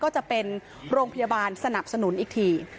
ก็จะเป็นโรงพยาบาลสนับสนุนอีกที